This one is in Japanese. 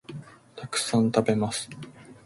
たくさん、食べます